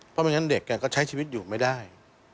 เพราะไม่งั้นเด็กก็ใช้ชีวิตอยู่ไม่ได้